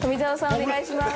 お願いします。